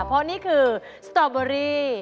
เพราะนี่คือสตอเบอรี่